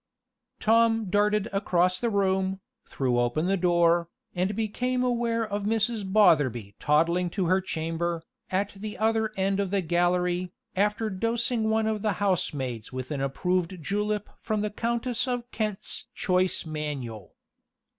Tom darted across the room, threw open the door, and became aware of Mrs. Botherby toddling to her chamber, at the other end of the gallery, after dosing one of the housemaids with an approved julep from the Countess of Kent's "Choice Manual."